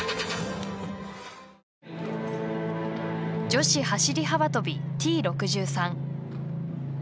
女子走り幅跳びＴ６３。